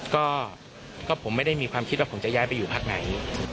ก็ผมไม่ได้มีความคิดว่าผมจะย้ายไปอยู่พักไหน